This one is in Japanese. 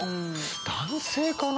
男性かな？